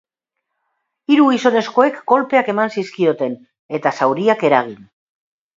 Hiru gizonezkoek kolpeak eman zizkioten, eta zauriak eragin.